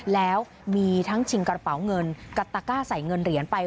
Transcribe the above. แล้วมีทั้งชิงกระเป๋าเงินกับตะก้าใส่เงินเหรียญไป